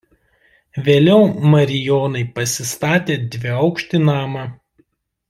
Vėliau marijonai pasistatė dviaukštį namą.